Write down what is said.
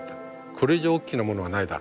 これ以上おっきなものはないだろうと。